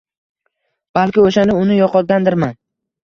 Balki o‘shanda uni yo‘qotgandirman.